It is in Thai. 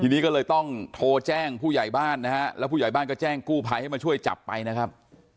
ทีนี้ก็เลยต้องโทรแจ้งผู้ใหญ่บ้านนะฮะแล้วผู้ใหญ่บ้านก็แจ้งกู้ภัยให้มาช่วยจับไปนะครับ